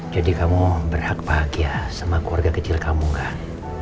jadi kamu berhak bahagia sama keluarga kecil kamu kan